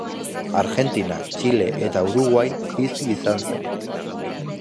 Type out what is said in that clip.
Argentina, Txile eta Uruguain bizi izan zen.